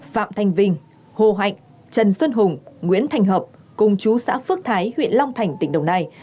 phạm thanh vinh hồ hạnh trần xuân hùng nguyễn thành hợp cùng chú xã phước thái huyện long thành tỉnh đồng nai